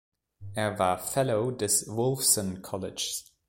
Er war Fellow des Wolfson Colleges.